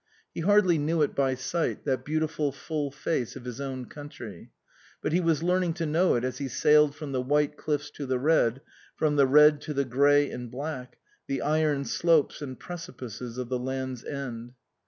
He hardly knew it by sight, that beautiful full face of his own country ; but he was learning to know it as he sailed from the white cliffs to the red, from the red to the grey and black, the iron slopes and precipices of the Land's End.